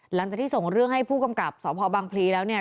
หลังจากที่ส่งเรื่องให้ผู้กำกับสพบังพลีแล้วเนี่ย